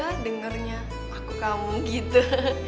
ah dengernya aku kamu gitu